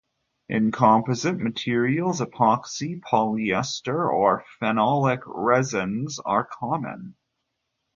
In composite materials, epoxy, polyester or phenolic resins are common.